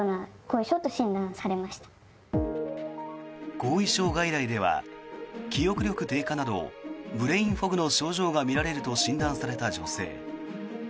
後遺症外来では記憶力低下などブレインフォグの症状が見られると診断された女性。